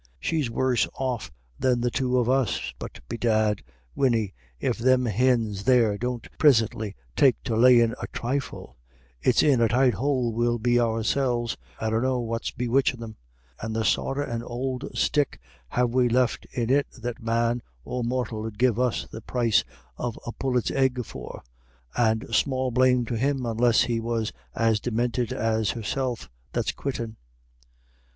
She's worse off than the two of us. But bedad, Winnie, if thim hins there don't prisintly take to layin' a thrifle, it's in a tight houle we'll be ourselves. I dunno what's bewitchin' them. And the sorra an ould stick have we left in it that man or mortal 'ud give us the price of a pullet's egg for and small blame to him, unless he was as deminted as herself that's quittin'."